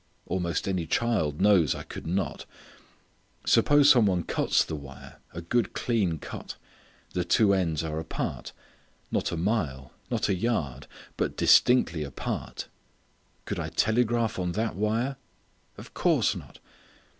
Almost any child knows I could not. Suppose some one cuts the wire, a good clean cut; the two ends are apart: not a mile; not a yard; but distinctly apart. Could I telegraph on that wire? Of course not.